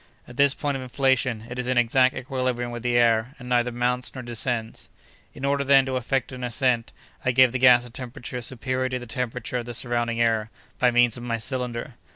At this point of inflation, it is in exact equilibrium with the air, and neither mounts nor descends. "In order, then, to effect an ascent, I give the gas a temperature superior to the temperature of the surrounding air by means of my cylinder.